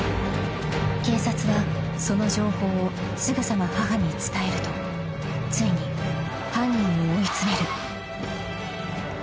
［警察はその情報をすぐさま母に伝えるとついに犯人を追い詰める］